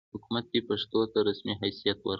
حکومت دې پښتو ته رسمي حیثیت ورکړي.